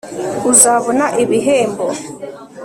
uzabona ibihembo